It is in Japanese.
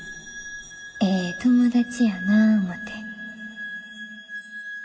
ええ友達やなぁ思て。